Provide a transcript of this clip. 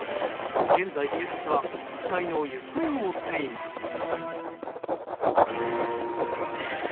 現在、警察は２人の行方を追っています。